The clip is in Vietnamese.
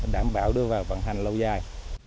đảm bảo đưa vào vận hành lâu dài